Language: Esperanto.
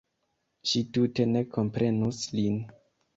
Ŝi tute ne komprenus lin.